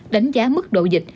đánh giá mức độ dịch